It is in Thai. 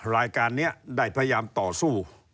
รายการนี้ได้พยายามต่อสู้